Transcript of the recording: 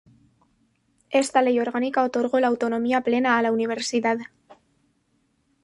Esta ley orgánica otorgó la autonomía plena a la Universidad.